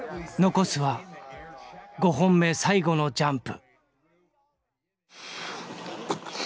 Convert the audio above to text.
残すは５本目最後のジャンプ。